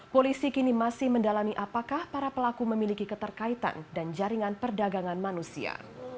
polisi kini masih mendalami apakah para pelaku memiliki keterkaitan dan jaringan perdagangan manusia